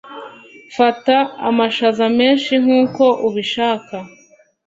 fata amashaza menshi nkuko ubishaka